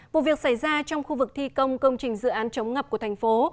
vụ việc xảy ra trong khu vực thi công công trình dự án chống ngập của thành phố